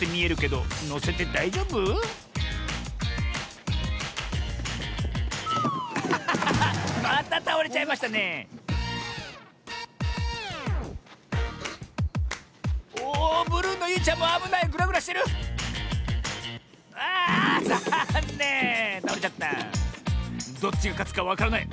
どっちがかつかわからない。